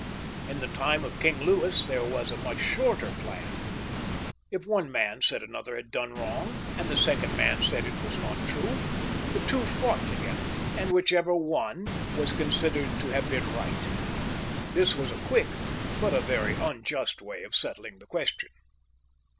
In the time of King Louis there was a much shorter plan. If one man said another had done wrong, and the second man said it was not true, the two fought together, and whichever won was considered to have been right. This was a quick but a very unjust way of settling the question.